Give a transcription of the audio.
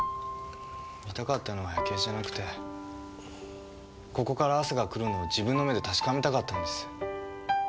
見たかったのは夜景じゃなくてここから朝が来るのを自分の目で確かめたかったんです。